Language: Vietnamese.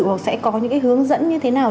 hoặc sẽ có những cái hướng dẫn như thế nào